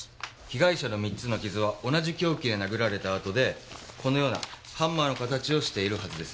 被害者の３つの傷は同じ凶器で殴られた跡でこのようなハンマーの形をしているはずです。